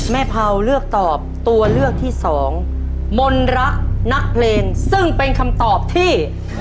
เผาเลือกตอบตัวเลือกที่สองมนรักนักเพลงซึ่งเป็นคำตอบที่